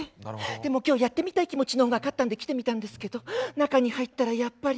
でも今日やってみたい気持ちのほうが勝ったんで来てみたんですけど中に入ったらやっぱり。